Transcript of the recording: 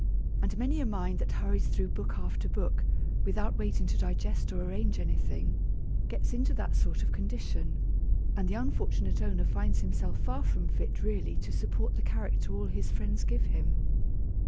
And many a mind that hurries through book after book, without waiting to digest or arrange anything, gets into that sort of condition, and the unfortunate owner finds himself far from fit really to support the character all his friends give him.